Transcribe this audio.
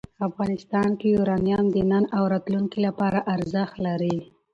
افغانستان کې یورانیم د نن او راتلونکي لپاره ارزښت لري.